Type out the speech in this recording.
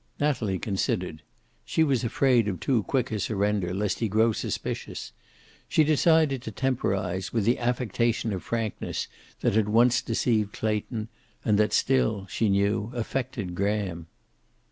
Natalie considered. She was afraid of too quick a surrender lest he grow suspicious. She decided to temporize, with the affectation of frankness that had once deceived Clayton, and that still, she knew, affected Graham.